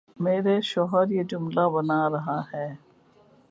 میرے شوہر یہ جملہ بنا رہا ہے